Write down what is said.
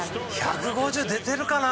１５０出てるかな？